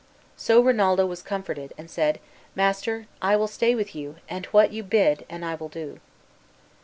So Rinaldo was comforted, and said, "Master, I will stay with you, and what you bid ane I will do."